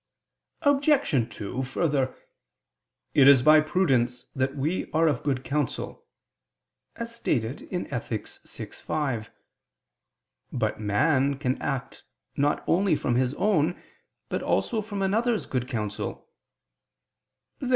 Obj. 2: Further, "It is by prudence that we are of good counsel," as stated in Ethic. vi, 5. But man can act not only from his own, but also from another's good counsel.